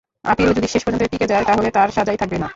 Appeal যদি শেষ পর্যন্ত টিকে যায়, তাহলে তাঁর সাজাই থাকবে না।